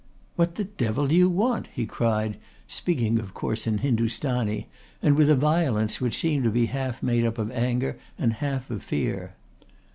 "What the devil do you want?" he cried, speaking of course in Hindustani, and with a violence which seemed to be half made up of anger and half of fear.